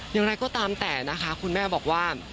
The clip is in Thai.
อย่างไรก็ตามแต่นะคะคุณแม่บอกว่า